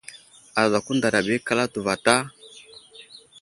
Adako ndaraɓa ikal atu vatá ?